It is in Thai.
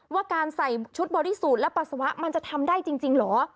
ว่าการใส่ชุดบอดี้สูตรและปัสสาวะมันจะทำได้จริงเหรอ